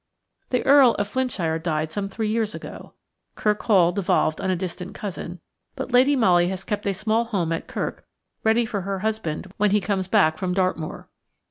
The Earl of Flintshire died some three years ago. Kirk Hall devolved on a distant cousin, but Lady Molly has kept a small home at Kirk ready for her husband when he comes back from Dartmoor.